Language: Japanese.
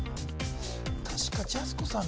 確かジャスコさん